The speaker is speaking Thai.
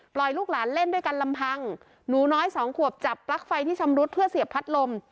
ลูกหลานเล่นด้วยกันลำพังหนูน้อยสองขวบจับปลั๊กไฟที่ชำรุดเพื่อเสียบพัดลม